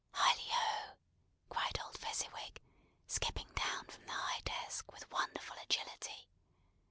"Hilli ho!" cried old Fezziwig, skipping down from the high desk, with wonderful agility.